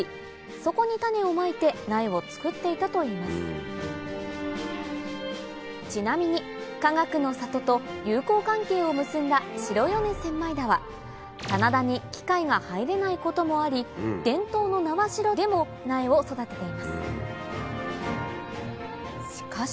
そこに種をまいて苗を作っていたといいますちなみにかがくの里と友好関係を結んだ白米千枚田は棚田に機械が入れないこともあり伝統の苗代でも苗を育てています